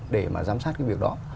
để mà giám sát cái việc đó